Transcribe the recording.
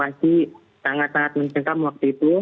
masih sangat sangat mencengkam waktu itu